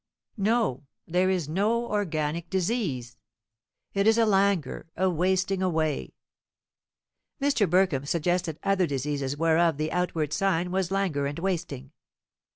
"No; there is no organic disease. It is a languor a wasting away." Mr. Burkham suggested other diseases whereof the outward sign was languor and wasting.